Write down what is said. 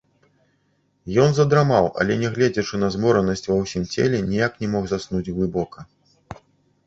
Ён задрамаў, але, нягледзячы на зморанасць ува ўсім целе, ніяк не мог заснуць глыбока.